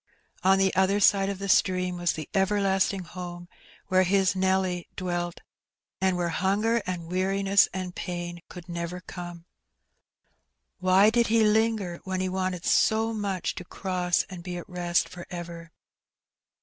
On the other side of the stream was the ever lasting home^ where his Nelly dwelt^ and where hanger and weariness and pain could never come. Why did he linger, when he wanted so much to cross and be at rest for ever?